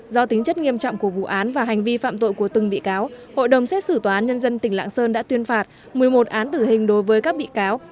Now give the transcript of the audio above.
do tính chất nghiêm trọng của vụ án và hành vi phạm tội của từng bị cáo hội đồng xét xử tòa án nhân dân tỉnh lạng sơn đã tuyên phạt một mươi một án tử hình đối với các bị cáo